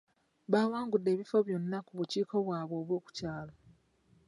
Baawangude ebifo byonna ku bukiiko bwabwe obw’oku byalo.